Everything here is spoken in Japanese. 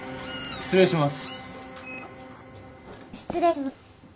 失礼します。